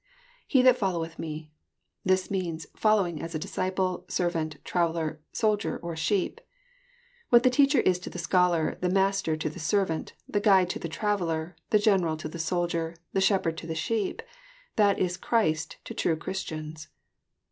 [_He tTuitfolloweth wic.] This means following " as a disci ple, servant, traveller, soldier, or sheep. What the teacher is to the scholar, the master to the servant, the guide to the trav eller, the general to the soldier, the shepherd to the sheep, that is Christ to true Christians.